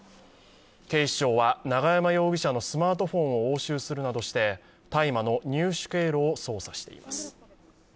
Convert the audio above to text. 警視庁は永山容疑者のスマートフォンを押収するなどして大麻の入手経路を捜査しています。